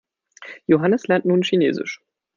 Johannes lernt nun Chinesisch.